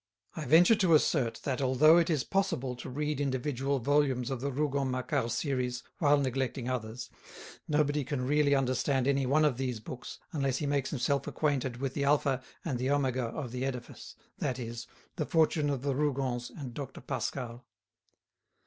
I venture to asset that, although it is possible to read individual volumes of the Rougon Macquart series while neglecting others, nobody can really understand any one of these books unless he makes himself acquainted with the alpha and the omega of the edifice, that is, "The Fortune of the Rougons" and "Dr. Pascal."